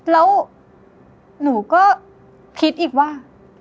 แล้วหนูก็คิดอีกว่า